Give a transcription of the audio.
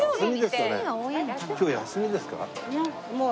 今日休みですか？